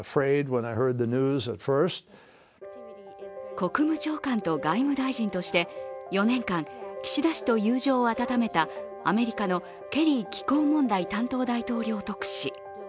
国務長官と外務大臣として４年間、岸田氏と友情を温めたアメリカのケリー気候問題担当大統領特使。